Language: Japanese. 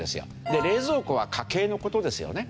で冷蔵庫は家計の事ですよね。